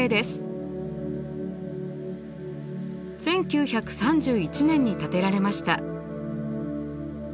１９３１年に建てられました。